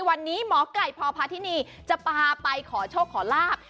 วันนี้หมอไก่พพาธินีจะพาไปขอโชคขอลาบ